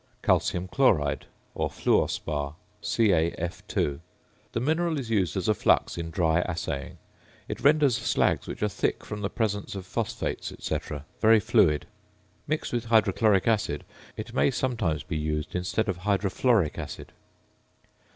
~Calcium Fluoride~ or "~Fluor Spar~," CaF_. The mineral is used as a flux in dry assaying; it renders slags which are thick from the presence of phosphates, &c., very fluid. Mixed with hydrochloric acid it may sometimes be used instead of hydrofluoric acid.